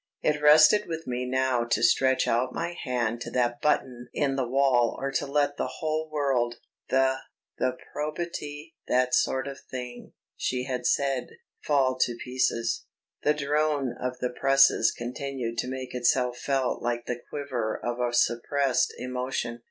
It rested with me now to stretch out my hand to that button in the wall or to let the whole world "the ... the probity ... that sort of thing," she had said fall to pieces. The drone of the presses continued to make itself felt like the quiver of a suppressed emotion.